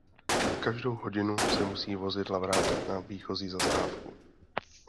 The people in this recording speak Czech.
Každou hodinu se musí vozidla vrátit na výchozí zastávku.